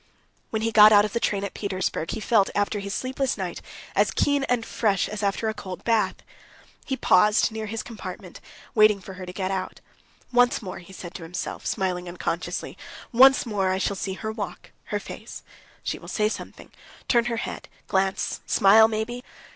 When he got out of the train at Petersburg, he felt after his sleepless night as keen and fresh as after a cold bath. He paused near his compartment, waiting for her to get out. "Once more," he said to himself, smiling unconsciously, "once more I shall see her walk, her face; she will say something, turn her head, glance, smile, maybe."